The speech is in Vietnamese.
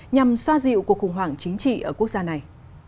nhằm xoa dịu cuộc khủng hoảng chính trị ở quốc gia này